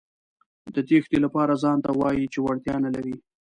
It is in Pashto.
د تېښتې لپاره ځانته وايئ چې وړتیا نه لرئ.